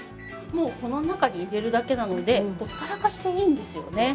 もうこの中に入れるだけなのでほったらかしでいいんですよね。